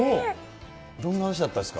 どんな話だったですか？